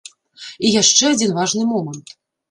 І яшчэ адзін важны момант.